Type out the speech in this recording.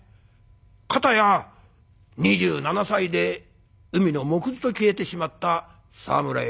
片や２７歳で海のもくずと消えてしまった沢村栄治。